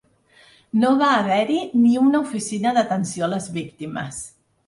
No va haver-hi ni una oficina d’atenció a les víctimes.